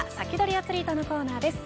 アツリートのコーナーです。